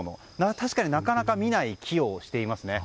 確かになかなか見ない木をしていますね。